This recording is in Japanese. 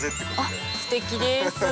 あっすてきです。